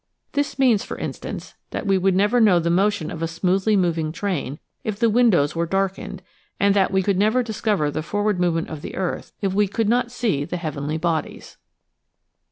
This means, for instance, that we would never know the motion of a smoothly moving train if the windows were darkened and that we could never discover the forward movement of the earth if we could not see the heavenly bodies.